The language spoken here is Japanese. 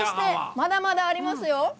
まだまだありますよ。